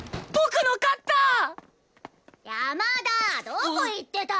どこ行ってた！